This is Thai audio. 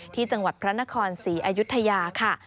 ที่จังหวัดพระนครศรีอยุธยาค่ะ